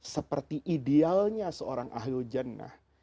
seperti idealnya seorang ahlu jannah